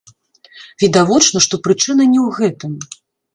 Відавочна, што прычына не ў гэтым.